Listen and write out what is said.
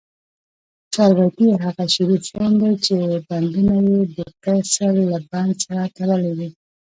چاربیتې هغه شعري فورم دي، چي بندونه ئې دکسر له بند سره تړلي وي.